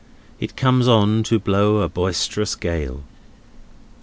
It comes on to blow a boisterous gale.